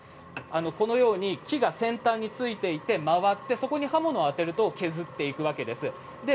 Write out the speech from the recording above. このように木が先端についていて回ってそこに刃物を当てると削っていくわけです。